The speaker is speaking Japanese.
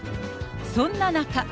そんな中。